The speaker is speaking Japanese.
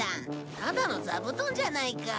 ただの座布団じゃないか。